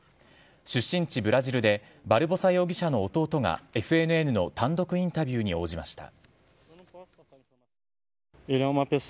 出身地ブラジルでバルボサ容疑者の弟がＦＮＮの単独インタビューに応じました。